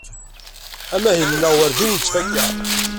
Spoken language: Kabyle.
Amahil-nneɣ Wurǧin yettfaka.